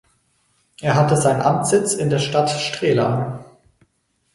Es hatte seinen Amtssitz in der Stadt Strehla.